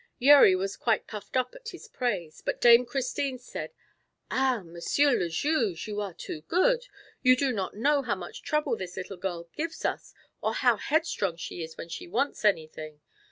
Yeri was quite puffed up at his praise, but Dame Christine said: "Ah, Monsieur le Juge! You are too good. You do not know how much trouble this little girl gives us, or how headstrong she is when she wants anything.